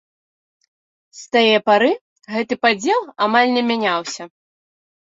З тае пары гэты падзел амаль не мяняўся.